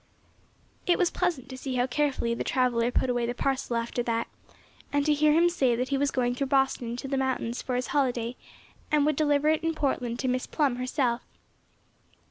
It was pleasant to see how carefully the traveller put away the parcel after that, and to hear him say that he was going through Boston to the mountains for his holiday, and would deliver it in Portland to Miss Plum herself.